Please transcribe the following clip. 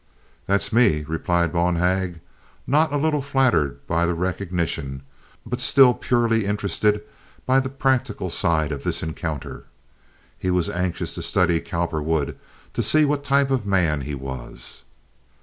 "That's me," replied Bonhag, not a little flattered by the recognition, but still purely interested by the practical side of this encounter. He was anxious to study Cowperwood, to see what type of man he was.